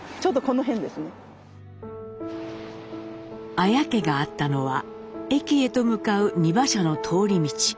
綾家があったのは駅へと向かう荷馬車の通り道。